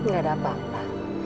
gak ada apa apa